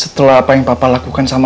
setelah apa yang papa lakukan sama